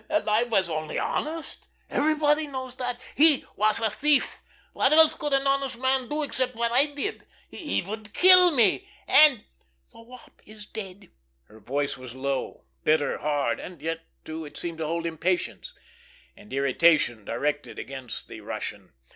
And I was only honest—everybody knows that. He was a thief. What else could an honest man do except what I did? He—he will kill me, and——" "The Wop is dead." Her voice was low, bitter, hard, and yet, too, it seemed to hold impatience and irritation directed against the Russian.